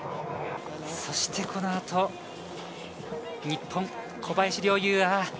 そしてこの後日本、小林陵侑。